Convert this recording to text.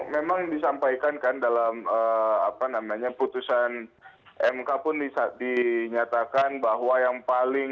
memang disampaikan kan dalam apa namanya putusan mk pun dinyatakan bahwa yang paling